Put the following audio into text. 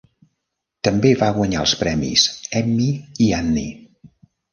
També va guanyar els premis Emmy i Annie.